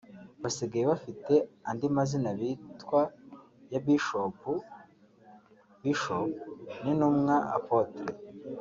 basigaye bafite andi mazina bitwa ya Bishopu “Bishop” n’intumwa “Apotre”